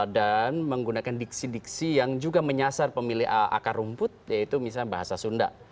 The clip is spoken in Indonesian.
dan menggunakan diksi diksi yang juga menyasar pemilih akar rumput yaitu misalnya bahasa sunda